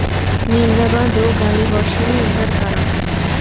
নিন্দাবাদ ও গালিবর্ষণই ইহার কারণ।